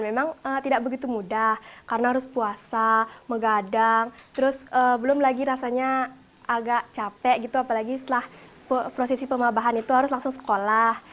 memang tidak begitu mudah karena harus puasa menggadang terus belum lagi rasanya agak capek gitu apalagi setelah prosesi pemabahan itu harus langsung sekolah